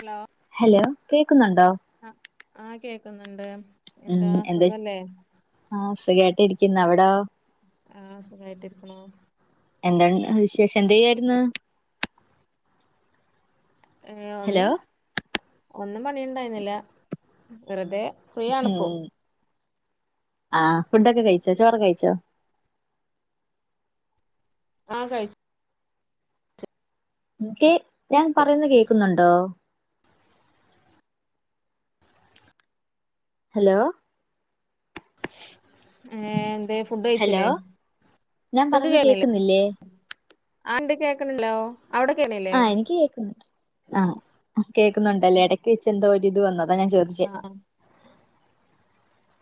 Hello hello കേക്കുന്നുണ്ടോ ആഹ് ആഹ് കേക്കുന്നുണ്ട് ഉം എന്താ വിശ് ആഹ്‌ സുഖായിട്ട് ഇരിക്കുന്നു അവിടോ ആഹ് സുഖായിട്ടിരിക്കണു എന്താണ് വിശേഷം എന്ത് ചെയ്യാരുന്ന് ഏഹ് ഹലോ ഒന്നും ഒന്നും പണിയുണ്ടായിരുന്നില്ല വെറുതെ ഫ്രീ ഇഷോ ആണിപ്പോ ആഹ് ഫുഡൊക്കെ കഴിച്ചോ ചോറ് കഴിച്ചോ ആഹ് കഴച്ച് ഇനിക്ക് ഞാൻ പറയുന്ന കേക്കുന്നുണ്ടോ ഹലോ ഏ എന്താ ഫുഡ് കഴിച്ചില്ലേ നിക്ക് കെണില്ലേ ന്നില്ലേ ആണ്ട് കേക്കണി ല്ലോ ആഹ് എനിക്ക് കേൾക്കുന്നുണ്ട് ആഹ് കേൾക്കുന്നുണ്ടല്ലേ ഇടയ്ക്ക് വെച്ച് എന്തോ ഒരു ഇത് വന്നതാ ഞാൻ ചോദ ച്ച് ആ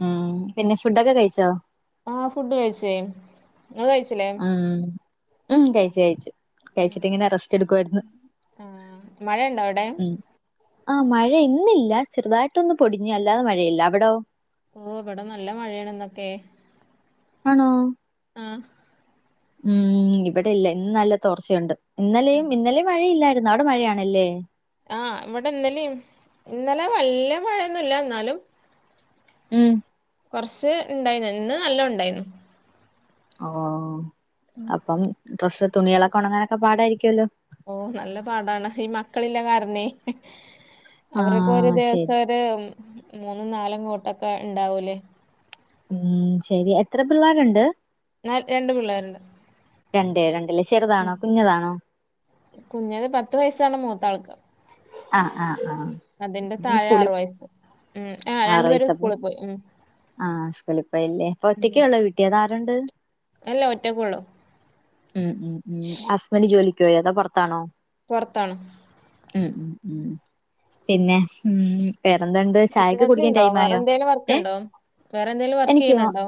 ഉം പിന്നെ ഫുഡൊക്കെ കഴിച്ചോ ആഹ് ഫുഡ്കഴിച്ചേ നിങ്ങള് കഴിച്ചില്ലേ ആഹ് ഉം കഴിച്ച് കഴിച്ച് കഴിച്ചിട്ടിങ്ങനെ റസ്റ്റ് എടുക്കു ആയിരിന്നു ആ മഴയുണ്ടോ അവിടെ ഉം ആഹ് മഴ ഇന്നില്ല ചെറുതായിട്ടൊന്നും പൊടിഞ്ഞ് അല്ലാതെ മഴയില്ല അവിടോ ഓഹ് ഇവിടെ നല്ല മഴയാണ് ന്നൊക്കെ ആണോ ആഹ് ഉം ഇവിടെ ഇല്ല ഇന്ന് നല്ല തോർച്ചയുണ്ട് ഇന്നലെയും ഇന്നലെയും മഴയില്ലായിരു അവിടെ മഴയാണല്ലേ ആഹ് ഇവിടെ ഇന്നലെയും ഇന്നലെ വല്യ മഴയൊന്നുമില്ല എന്നാലും ഉം കൊറച്ച് ഇണ്ടായിന്ന ഇന്ന് നല്ല ഇണ്ടായിരുന്നു ഓ അപ്പം ഡ്രസ് തുണികളൊക്കെ ഉണങ്ങാനൊക്കെ പാടായിരിക്കുമല്ലോ ഓ നല്ല പാടാണ് ഈ മക്കളില്ല കാരണേ അവർക്ക് ഒരു ആഹ് ശരി ദിവസം ഒ ത് മൂന്നും നാലും കോട്ടൊക്കെ ഉണ്ടാവൂല്ലേ ഉം ശരി എത്ര പിള്ളാരുണ്ട് നാൽ രണ്ട്പിള്ളാര്ണ്ട് രണ്ടെ രണ്ടില്ല് ചെറുതാണോ കുഞ്ഞിതാണോ കുഞ്ഞത് പത്ത് വയസ്സാണ് മൂത്ത ആൾക്ക് ആഹ് ആഹ് അതിന്റെ ആഹ് താഴെ ആറു സ്കൂളിൽ വയസ്സ് ഉം ആഹ് ആറ് രണ്ടു പേരും വയസ്സപ്പം സ്കൂളിൽപോയ്‌ ഉം ആഹ് സ്കൂളി പോയില്ലേ അപ്പൊ ഒറ്റക്കെ ഉം. ഉള്ളോ വീട്ടി അതാരുണ്ട് അല്ല ഒറ്റക്കുള്ളൂ ഉം ഉം ഉം ഹസ്ബൻഡ് ജോലിക്ക്പോയൊ അതോ പുറത്താണോ പുറത്താണ് ഉം ഉം ഉം പിന്നെ ഉം വെറെന്തുണ്ട് ചായൊക്കെ കുടിക്കൻ ടൈം ആയോ ഏഹ് വേറെന്തെലും വർക്ക് എനിക്കോ ആ ചെയ്യണണ്ടോ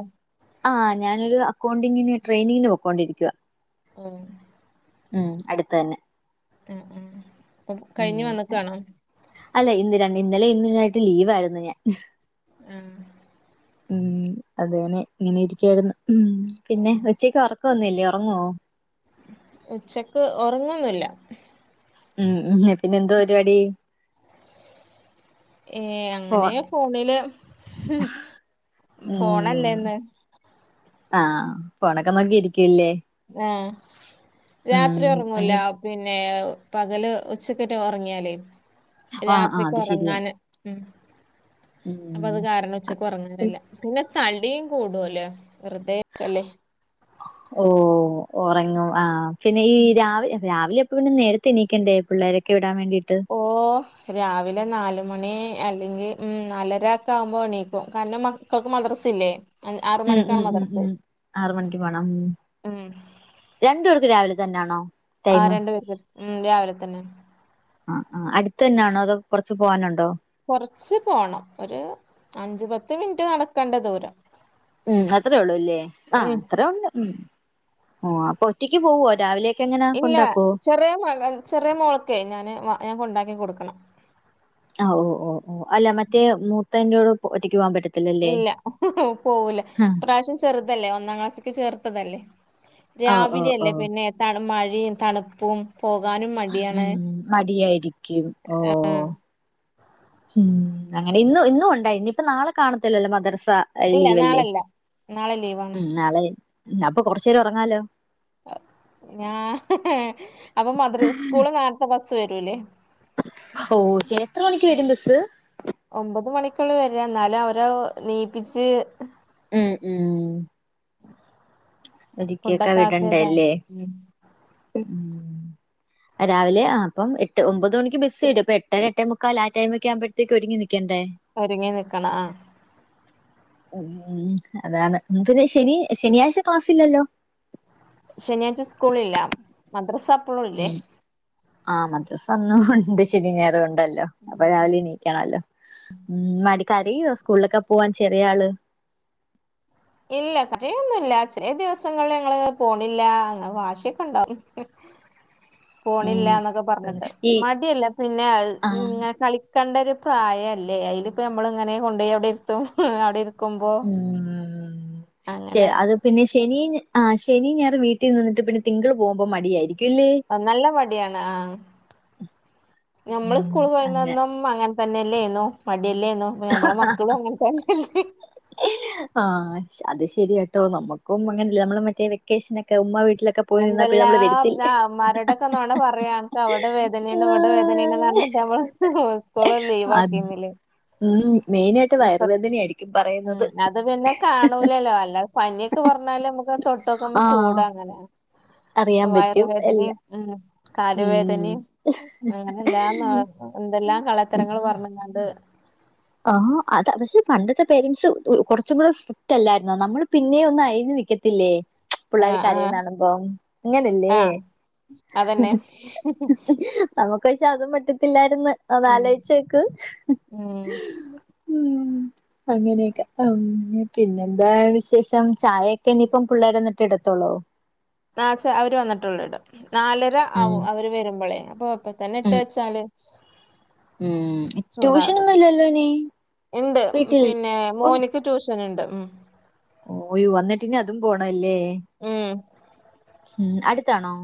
ആഹ് ഞാനൊരു അക്കൗണ്ടിങ്ങിന് ട്രെയിനിങ്ങിന് പോക്കോണ്ടിരിക്കുവുക ഓ ഉം അടുത്ത് തന്നെ ഉം ഉം ഉം അല്ലെ ഇന്ന് ര ഇന്നലെ ഇന്നായിട്ട് ലീവായിരുന്നു ഞാൻ ആഹ് ഉം അതന്നെ ഇങ്ങനെ ഇരിക്കായിരുന്നു ഉം പിന്നെ ഉച്ചക്ക് ഒറ ക്ക ഒന്നുല്യ. ഉറങ്ങുവോ? ഉച്ചക്ക് ഉറങ്ങൊന്നില്ല. ഉം ഉം പിന്നെ എന്തുവാ പരിപാടി ഏ അങ്ങനെ ഫോൺ ഫോണില്, ഫോണല്ലേന്ന് ആ.. ഫോണൊക്കെ നോക്കി ഇരിക്കൂല്ലേ? ആഹ്.. രാത്രി അനി ഉറങ്ങൂലാപ് പിന്നെ.. പകല് ഉച്ചക്കറ്റെ ഉറങ്ങിയാല് ആഹ് ആഹ് രാത്രിക്ക് അത് ശരിയാ ഉറങ്ങാൻ.. ഉം, അപ്പൊ ഉം അത് കാരണം ഉച്ചക്ക് ഉറങ്ങണ്ടല്ല, പിന്നെ കള്ളീം കൂടുല്ലോ, വെറ്തെരി ക്കല്ലേ. ഓ.. ഉറങ്ങു ആ.. പിന്നെ ഈ രാവി രാവിലെപ്പൊഴും പിന്നെ നേരത്തെ എണീക്കണ്ടേ? പിള്ളേരൊക്കെ വിടാ ൻ വേണ്ടിയിട്ട്. ഓ.. ഹ് രാവിലെ നാലുമണി, അല്ലെങ്കിൽ ഉം നലരക്കാകുമ്പോ എണീക്കും, കാരണം മ പ്പൊവൾക്ക് മദ്രസില്ലേ? ഉം ഉം ഉം ഉം, ആറ് മണിക്ക് പോണം. ഉ.. ഉം രണ്ടു പേർക്കു രാവിലെ തന്നെയാണോ? ആ് ടൈം രണ്ടുേർക്ക് ഉം രാവിലെ തന്നെ. അ ആ്, അടുത്തെന്നെയാണോ? അതൊ കൊറച്ച് പോകാനുണ്ടോ? കൊറച്ച് പോണം, ഒരു അഞ്ചു പത്ത് മിനിറ്റ് നടക്കേണ്ട ദൂരം. ഉം അത്രേ ഉള്ളൂല്ലേ, ആ ഉം അത്രേ ഉള്ളൂ, ഉം ഓ അപ്പൊ ഒറ്റക്ക് പോവോ രാവിലെ? ഇല്ല, ചെറിയ മകൾ ചെറിയ മോൾ ക്കെ ഞാന് ഞാ കൊണ്ടാക്കി കൊടുക്കണം. അ ഓ ഓ ഓ, അല്ല മറ്റേ മൂത്തന്റോടെ ഒറ്റക്ക് പോവാൻ പറ്റത് ഇല്ല, ഹ് ഹ് ഹ് പോവൂല, ഇപ്രാവശ്യം ചെറുതല്ലേ, ഒന്നാം ക്ലാസ്സ്ക്ക് ചേർത്തതല്ലേ. ആ ഓ ഓ ഓ രാവിലെയല്ലേ പിന്നെ തണ് മഴിം തണുപ്പും പോകാനും മ ഊ.. മ് മടിയായിരിക്കും. ഓ.. ആഹ് ഉം, അങ്ങനെ ഇന്നു ഇന്നു ഉണ്ടായി ഇനിപ്പ നാളെ കാണത്തില്ലല്ലോ മദ്റസ? [inaudible] ഇല്ല ലീവല്ലെ, നാളല്ല നാളെ ലീവാണ് ഉം നാളെ അപ്പൊ കൊറച്ചേരം ഉറങ്ങാലോ? ഞാഹ് ഹ് ഹേ അപ്പൊ മദ്രസ് സ്കൂള് നേരത്തെ ബസ് വരൂല്ലേ? ഓ ശെരി, എത്ര മണിക്ക് വരും ബസ്സ്? ഒമ്പത് മണിക്കൊള്ളു വര, എന്നാലും അവരോ നീപ്പിച്ച്.. ഉം ഉം. ഒരുക്കിയൊക്കെ ഫുഡൊക്കെ വിടണ്ടേ ആക്കിയതാണ്. ല്ലേ? ഉം ഉം.. ആ രാവിലെ അപ്പം എട്ട് ഒമ്പത് മണിക്ക് ബസ് വരും, അപ്പൊ എട്ടര എട്ടേ മുക്കാൽ ആടൈമൊക്കെ ആവുമ്പഴത്തേക്ക് ഒരുങ്ങി നിൽക്കേണ്ടേ? ഒരുങ്ങി നിക്കണം, ആ. ഊ... മ്അതാണ് [inaudible] ന്നെ ശനി ശനിയാഴ്ച ക്ലാസില്ലല്ലോ? ശനിയാഴ്ച സ്കൂളില്ല. മദ്രസപ്. ഉം, ആ മദ്രസ അന്നും ഹ് ഹ് ണ്ട് ശനി ഞായറു ഉണ്ടല്ലോ, അപ്പൊ ഉം ഉം രാവിലെ നീ ണല്ലോ ഊമ് മടി കരയോ സ്കൂളിലൊക്കെ പോവാൻ ചെറിയ ആള്? ഇല്ല കര യൊന്നുല്ല, ചില ദിവസങ്ങളിൽ ഞങ്ങള് പോണില്ല അങ്ങനെ വാശിയൊക്കെണ്ടാവും. [unintelligible] പോണില്ല ഉം ന്നൊക്കെ പറഞ്ഞിട്ട്, ഈ മടിയല്ല പിന്നെഅത് ആഹ് ങ്ങന കളി കണ്ടരു പ്രായ അല്ലേ, അയില് പ്പോ നമ്മള് ങ്ങനെ കൊണ്ടോയി അവിടെ ഇരുത്തും ഹ് ഹ് ഹേ അവിടെ ഇരിക്കുമ്പോൾ.. ചെ അത് പിന്നെ, ശനി ആ ശനി ഞായർ വീട്ടിൽ നിന്നിട്ട് പിന്നെ തിങ്കൾ പോകുമ്പൊ മടിയായിരിക്കും. ഇല്ലേ നല്ല മടിയാണ് ആം, ഞമ്മള് ഉം സ്കൂൾ അങ്ങനെ പോയിന്ന അന്നും.. ഉം അങ്ങനെ തന്നെയല്ലേയിനു, മടിയല്ലേയ്നു ഇപ്പ നമ്മളെ മക്കളും അങ്ങനെ തന്നെയല്ലേ. ഹ് ഹ് ആഹ് ആ അത് ശെരിയാട്ടോ, നമുക്കും ആഹ് അങ്ങനെല്ലെ നമ്മൾ മറ്റേ വെക്കേഷനൊക്കെ ഉമ്മ വീട്ടിലൊക്കെ പോയി നിന്നാ പിന്നെ നമ്മള് എന്തെല്ലാം വരത്തില്ലേ ആ ഉമ്മാരൊടൊക്കെ നൊണ പറയാ ന്ക് അവിടെ വേദനെ ണ് ഇവിടെ വേദനേണ് പറഞ്ട്ട് മ്മള്. ഹ് ഹ് സ്‌കൂള് അത് ലീവാക്കിരുന്നില്ലേ? ഉം, മെയിനായിട്ട് വയറുവേദന യാ യിരിക്കും പറയുന്നത്. ഹ് ഹ് ഹ ല്ലോ അല്ല. പനിയൊക്കെ പറഞ്ഞാല് നമ്മുക്ക് തൊട്ടൊക്കുമ്പൊ ആഹ് ചൂടങ്ങനെ അറിയാൻ പറ്റും വയറുവേദനേം എല്ലാ ഉം കാല് ഉം വേദനയും, അങ്ങനെഎല്ലാം [unintelligible] എന്തെല്ലാം കളത്തരങ്ങൾപറ്ഞ്ഞ്ങ്ങാണ്ട് ആഹാ അത പക്ഷെ പണ്ടത്തെ പേരെന്റ്സ് കുറച്ചുംകൂടെ സ്ട്രിറ്റ്അല്ലായിരുന്നോ നമ്മള്പിന്നെയൊന്ന്അയഞ് ത്തില്ലേ പിള്ളേര് ആഹ് ആഹ് കരയുന്നണുമ്പൊ ഇങ്ങനല്ലേ അതെന്നെ നമുക്ക് പക്ഷേ അതും പറ്റത്തില്ലായിര്ന്ന് ഒന്ന് ഉം ആലോഴി ചോക്ക് ഉം. ഉം അങ്ങനെയൊക്കെ ആം പിന്നെന്താവിശേഷം ചായൊക്കെഇനിയിപ്പം പിള്ളേര് വന്നിട്ട്ഇടുത്തോള്ളോ ആ ചാ അവര് വന്നിട്ടുള്ളൂ ഇടും. നാലര ഉം ആവും അവര് വരുമ്പോളേ. അപ്പൊ അപ്പ തന്നെ ഇട്ട് ഉം വെച്ചാല്. [inaudible] ഉം ട്യൂഷനൊന്നും [unintelligible] ഇല്ലല്ലോ ഇനി ഉണ്ട് വീട്ടിൽ പിന്നെ മോന് ന്ന് ട്യൂഷന്ണ്ട് ഉം ഓയു വന്നിട്ടിനി അതും പോണല്ലേ ഉം. ഉം. അടുത്താണോ?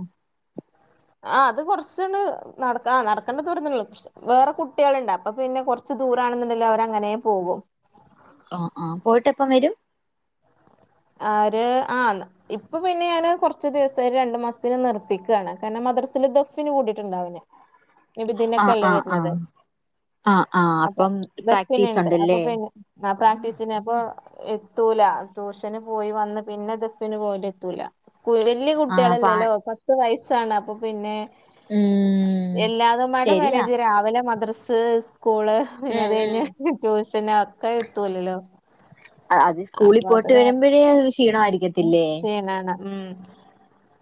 ആ അത്കൊറച്ച്ണ് നടക്കാ ആ നടക്കണ്ട ദൂരാന്നള്ളൂ വേറെകുട്ടിയാള്ണ്ട് അപ്പൊപിന്നെ കൊറച്ച്ദൂരാണന്ന്ണ്ടെലും അവരങ്ങനെപോകും ആഹ് ആ പോയിട്ട് എപ്പം വരും. ആര് ആന്ന് ഇപ്പൊപിന്നെഞാന് കുറച്ച്ദിവസായിട്ട് രണ്ടുമാസത്തിന് നിർത്തിക്കാണ് കാരണം മദ്രസില്ദെഫ് ഫ്ന് കൂടിയിട്ടുണ്ടവന് നിബിദിനൊക്കെ ആഹ് അല്ലേ ആഹ് വരുന്നത് ആഹ് ആഹ് ആഹ് അപ്പം പ്രാക്ടീസ് ഉണ്ടല്ലേ [unintelligible] ആ പ്രാക്ടീസിനപ്പൊ എത്തൂലാ, ടൂഷ അന് പോയി വന്ന് പിന്നെ ദഫ്ന് പോല എത്തൂല വല്യ ആഹ് പാ കുട്ടികളല്ലല്ലോ പത്ത് വയസ്സാണ്അപ്പൊപിന്നെ ഉം എല്ലാതും മാടെ ശരിയാ മേനേജ് രാവിലെ മദ്രസ് സ്കൂള് ഉം ഉം പിന്നെത്കഴിഞ്ഞ് ട്യൂഷനാക്കെ എത്തുലല്ലോ അതിസ്കൂളിപോയിട്ട് വരുമ്പോഴേ ക്ഷീണമായി ശീനാണ് ഉം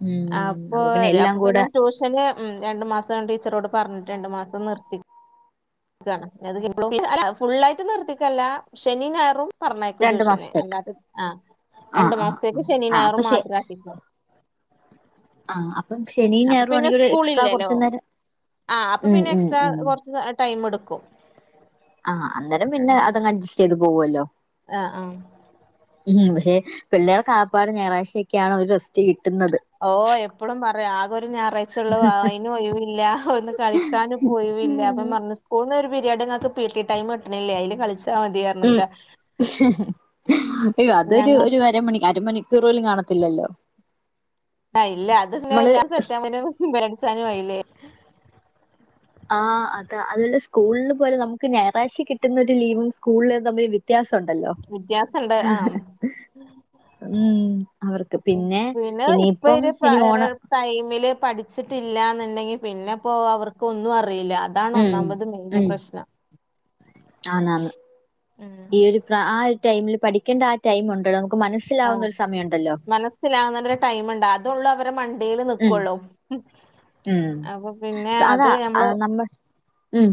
ഉം അപ്പൊ പിന്നെ എല്ലാം അപ്പൊ പിന്നെ കൂടെ ട്യൂഷന് ഉം രണ്ട് മാസം ടീച്ചറോട് പറഞ്ഞിട്ട്ണ്ട്‌. രണ്ടു മാസം നിർത്തി. ക്കാണ് ഇനി അത് [unintelligible] അത് ഫുള്ളായിട്ട് നിർത്തിക്കല്ല ശനിം ഞായറും പറഞ്ഞേക്കും രണ്ടു ട്യൂഷന് മാസത്തേക്ക് അല്ലാത്ത ആ ആഹ് രണ്ടു ആഹ് മാസത്തേക്ക് ശനി ഞായറും മാത്ര ആക്ക്യക്ക ആ അപ്പം ശെനി അപ്പൊ പിന്നെ ഞായറുആണെങ്കി ഒരു എക്സ്ട്രാ സ്കൂളില്ലല്ലോ കൊർച്ച നേരം, ആഹ് അപ്പൊ ഉം പിന്നെ ഉം എക്സ്ട്രാ ഉം കൊറച്ച് ടൈം ട്ക്കും ആഹ് അന്നേരം പിന്നെ അതങ്ങ് അഡ്ജസ്റ്റ് ചെയ്ത് പോവല്ലോ ആഹ് ആഹ് ഉം പക്ഷെ പിള്ളേർക്ക്ആകാപ്പാടെ ഞായറാഴ്ചയൊക്കെയാണ് ഒരു റെസ്റ്റ് കിട്ടുന്നത് ഓ എപ്പളും പറയും. ആകെ ഒരു ഞായറാഴ്ച്ചുള്ളൂ. അയിനും ഒഴിവില്ല. ഒന്ന് കളിക്കാനും, പ്പൊയിവില്ല ഉം അപ്പം പറഞ്ഞു സ്കൂൾന്നൊരു പിരിയഡ്ങ്ങക്ക് പി ടി ടൈംട്ട്ണില്ലേ അതില്കളിച്ച ഉം അയ്യോ അതൊരു ഒരു ഞങ്ങക്ക് അരമണിക്ക് അരമണി [unintelligible] റോയിൽന് കാണത്തില്ലല്ലോ. ആഹ് ഇല്ല. നമ്മള് [unintelligible] ച്ചാനും ആയില്ലേ. ആഹ് അത അതല്ലെ സ്കൂളില് പോലെ നമ്മുക്ക് ഞായറഴ്ച കിട്ടുന്നൊരുലീവും സ്കൂളിൽതമ്മി വ്യത്യാസംണ്ടല്ലോ വ്യത്യാസണ്ട് ആഹ് [unintelligible] ഉം അവർക്ക് പിന്നെ ഇപ്പൊ ഇനിയിപ്പം ശെനി ഓണ ഒരു ടൈമില് പഠിച്ചിട്ടില്ലാന്ന്ണ്ടെങ്കി പിന്നെപ്പോ അവർക്ക് ഒന്നു അറിയില്ല. [unintelligible] ഉം അതാണ്ഒന്നാമ്പത് ഉം മെയിന്പ്രശ്നം ആന്നാന്ന് ഉം ഈഒരുപ്ര ആഒരു ടൈമില് പഠിക്കേണ്ടആ ടൈമുണ്ട്ളൊ ആഹ് മനസ്സിലാകാണന ടൈമുണ്ട്. അതേള്ളൂ അവരെ മണ്ടേൽ ഉം ന്ക്കുള്ളൂ. [inaudible] ഉം അതാ നമ്മൾ ഉം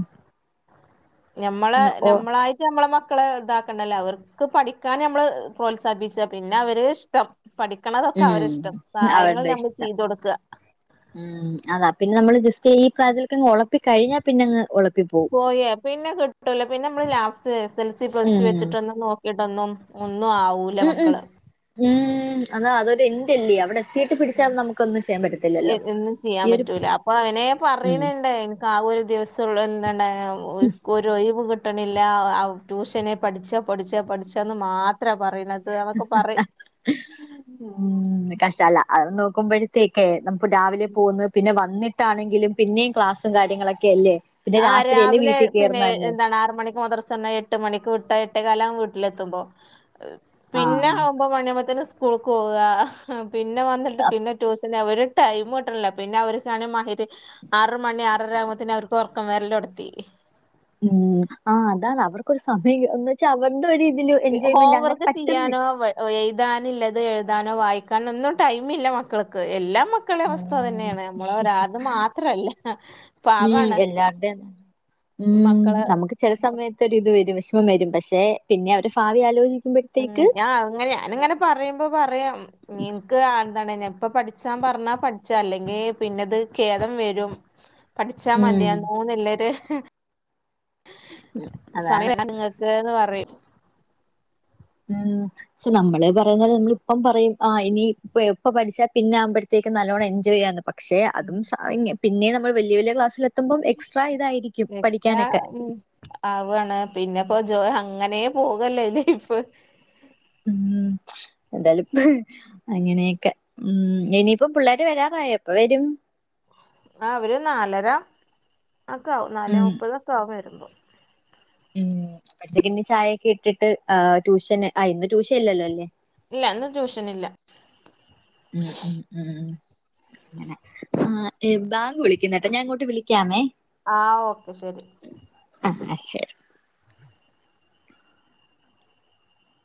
ഞമ്മളെ അന്ന് ഓ ഞമ്മളായി നമ്മളെമക്കളെഇതാക്കണ്ടല്ലേ അവർക്ക്പഠിക്കാന് നമ്മള് പ്രോത്സാഹിപ്പിച്ച പിന്നെഅവര്ഇഷ്ടം പഠിക്കണതൊക്കെ ഉം അവരിഷ്ടം സഹായങ്ങൾ അവരുടെ ഞമ്മള് ഇഷ്ടം ചെയ്തൊട്ക്കാ ഉം അതാ പിന്നെനമ്മള് ജസ്റ്റ്ഈ പ്രായത്തിലേക്കങ്ങ് ഒളപ്പിക്കകഴിഞ്ഞാ പിന്നെങ്ങ് ഉളു പോയേ പിന്നെ കിട്ടൂലോ പിന്നെ നമ്മള് ലാസ്റ്റ് എസ് എൽ സി പ്ലസ്റ്റ് ഉം വെച്ചിട്ട്ന്ന നോ കിടന്നും ഒന്നും ആവൂ ഉം, ഉം, ഉം അതാ അതൊരെൻടല്ല്യേ, അവടെത്തീട്ട് പിടിച്ചാ ഉം നമുക്കൊന്നും ചെയ്യാൻ പറ്റത്തില്ല. ഒന്നും ചെയ്യാൻ പറ്റൂല അപ്പൊ അവന് ഉം പറിണ് ണ്ട് ഇൻക്ക് ആ ഒരു ദിവസം ള്ളു എന്താണ് സ്കൂ ഒര് ഒഴിവ് കിട്ടണ്ല്ല ഔ ട്യൂഷന് പഠിച്ചോ പഠിച്ചോ പഠിച്ചോന്ന് മാ എത്ര പറയണത് അതൊക്ക പറയ് ഉം, കഷ്ടല്ല അത് നോക്കുമ്പഴത്തേക്കെ. ന ഇപ്പൊ രാവിലെ പോന്ന്‌ പിന്നെ വന്നിട്ടാണെങ്കിലും പിന്നെയും ക്ലാസ്സും കാര്യങ്ങളൊക്കെ അല്ലേ പിന്നെ ആഹ് രാത്രിയല്ലേ രാവിലെ വീട്ടിൽ പിന്നെ കയറുന്ന തന്നെ എന്താണ് ആറ് മണിക്ക് മദ്രസന്ന എട്ട് എട്ട് മണിക്ക് വിട്ട എട്ടേ കാലാവും വീട്ടിലെത്തുമ്പോ പിന്നെ ആഹ് ആകുമ്പോ മുനെ പ ത്തിന് സ് സ്കൂൾക്കൊവാ പിന്നെവന്നിട്ട് ആഹ് പിന്നെട്യൂഷന്അവര് ടൈംമ്മ്ട്ട്ല്ല പിന്നെഅവർക്കണേ മഗ്‌രി ആറ്മണി ആറരആവുമ്പത്ത്ന് അവർ കൊറക്കം വല്ലോടത്തി ഉം ആഹ് അതാണ് അവർക്കൊരു സമയം ന്ന് വെച്ചാ അവരുടെ ഒരു രീതിൽ എൻജോയ്മെന്റ് അങ്ങനെ പറ്റുന്ന എഴ്താനില്ലത്എഴുതാനോ വായിക്കാനോന്നും ടൈമില്ലമക്കൾക്ക് എല്ലാംമാ ഉം ക്കളെവസ്ഥതന്നെയാണ് നമ്മളെരാൾത് മാത്രല്ല പാ ഉം എല്ലാരുടെ ഉം മക്കളെ നമുക്ക് ചില സമയത്ത് ഒര് ഇത് വരും വിഷമം വരും പക്ഷെ പിന്നെ അവര് ഭാവിആലോജി ആലോചിക്കുമ്പോ ഉം ഞാഅങ്ങനെ ഞാനിങ്ങനെ പറയുമ്പോപറയും നിനക്ക് വേന്തനത് യാണ് ഞാൻ ഇപ്പ പഠിച്ചാ പറഞ്ഞാ പഠിച്ചാ അല്ലെങ്കി പിന്നെത് ഖേദം വരും ഉ പഠിച്ചാൽ മതിയായ്ന് മൂന്ന്ള്ളേര്. അതാണ് സമയം [unintelligible] പറിയും. [unintelligible] ശൊ നമ്മള് പറയുന്ന നമ്മള ഇപ്പം പറയും ആ ഇനി എപ്പ പഠിച്ചാ പിന്നെ ആവുമ്പോഴത്തേക്കും നല്ലവണ്ണം എൻജോയ് ചെയ്യാ പക്ഷെ അതുംഷാ പിന്നെനമ്മൾ വെല്ല്യവെല്ല്യ ക്ലാസ്സിലെത്തുമ്പോം എക്സ്ട്രാ ഇതായിരിക്കും എക്സ്ട്രാ പഠിക്കാനൊക്കെ ഉം ആവാണ് പിന്നെപ്പോജോ അങ്ങനെപോകല്ലെ ലൈഫ് ഉം എന്താലും പ് അങ്ങനെയെക്കെ ഉം ഇനിയിപ്പോ പിള്ളാര് വരാറായോ എപ്പൊവരും? ആഹ് ഇവരൊര്നാലര ഒക്കെവും ഉം നാലെമുപ്പതൊക്കെവുംവരുമ്പോ ഉം [unintelligible] ചായയൊക്കെഇട്ടിട്ട് ആ ട്യൂഷന് ആ ഇന്ന് ട്യൂഷൻഇല്ലല്ലോല്ലേ? ഇല്ല ഇന്ന്ട്യൂഷനില്ല ഉം ഉം ഉം ആഹ് ബാങ്ക് വിളിക്കുന്നേ ഞാൻ അങ്ങോട്ട് വിളിക്കാമേ ആ ഓക്കെ ശെരി. ആഹ് അഹ് ശരി